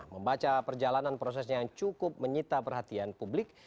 membaca perjalanan prosesnya yang cukup menyita perhatian publik